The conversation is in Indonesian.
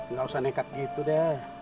nggak usah nekat gitu deh